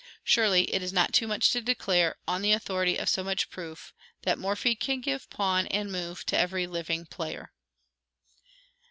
Surely, it is not too much to declare, on the authority of so much proof, that MORPHY CAN GIVE PAWN AND MOVE TO EVERY LIVING PLAYER.